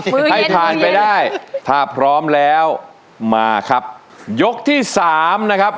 มือเย็นมือเย็นได้ถ้าพร้อมแล้วมาค่ะยกที่สามนะครับ